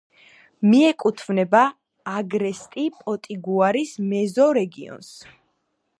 მიეკუთვნება აგრესტი-პოტიგუარის მეზორეგიონს.